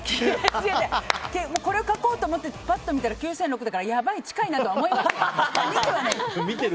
違うこれを書こうと思ってパッと見たら９６００だからやばい、近いとは思いましたけど見てはない。